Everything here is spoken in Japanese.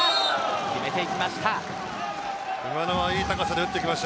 決めていきました。